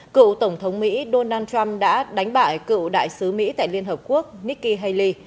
cựu tổng thống mỹ donald trump đã đánh bại cựu đại sứ mỹ tại liên hợp quốc nikki haley